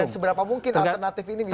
seberapa mungkin alternatif ini bisa